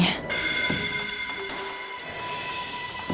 ya masih ada beberapa